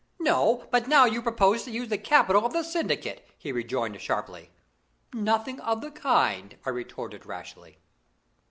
"No, but now you propose to use the capital of the syndicate!" he rejoined sharply. "Nothing of the kind," I retorted rashly.